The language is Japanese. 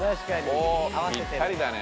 おぴったりだね。